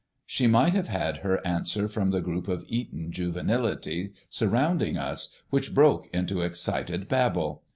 She might have had her answer from the group of Eton juvenility surrounding us, which broke into excited babble.